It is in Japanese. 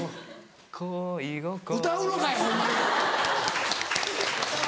恋心歌うのかいホンマに！